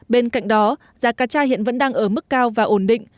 bên cạnh đó giá cá tra hiện vẫn đang ở mức cao và ổn định